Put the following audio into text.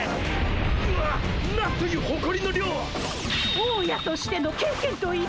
大家としての経験と意地！